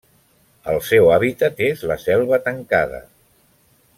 El seu hàbitat és la selva tancada.